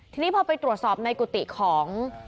ทีนี้พอไปตรวจสอบในกุฏิของ